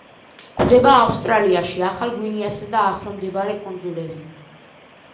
გვხვდება ავსტრალიაში, ახალ გვინეასა და ახლომდებარე კუნძულებზე.